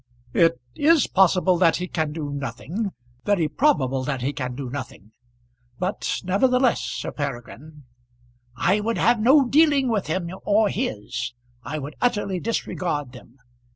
"It is possible that he can do nothing very probable that he can do nothing; but nevertheless, Sir Peregrine " "I would have no dealing with him or his. I would utterly disregard them.